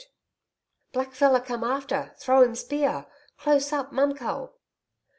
Black feller come after throw 'im spear close up MUMKULL*.